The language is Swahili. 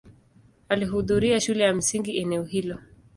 Alihudhuria shule ya msingi eneo hilo.